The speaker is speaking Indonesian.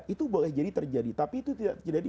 itu boleh jadi terjadi tapi itu tidak terjadi